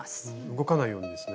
動かないようにですね。